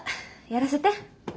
やらせて。